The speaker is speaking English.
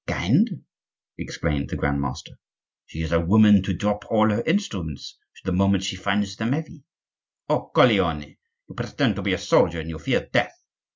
"Kind!" exclaimed the Grand master; "she is a woman to drop all her instruments the moment she finds them heavy." "O coglione! you pretend to be a soldier, and you fear death!